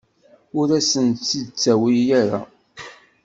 Ur asen-tt-id-ttawi ara.